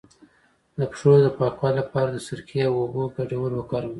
د پښو د پاکوالي لپاره د سرکې او اوبو ګډول وکاروئ